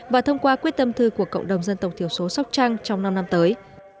và thông qua quyết tâm thư của cộng đồng dân tộc thiểu số sóc trăng trong năm năm tới